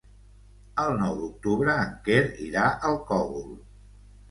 El nou d'octubre en Quer irà al Cogul.